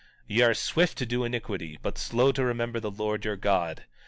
17:45 Ye are swift to do iniquity but slow to remember the Lord your God.